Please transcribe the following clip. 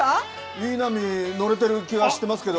いい波乗れてる気がしてますけど。